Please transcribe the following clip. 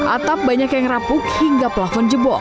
atap banyak yang rapuk hingga pelafon jebol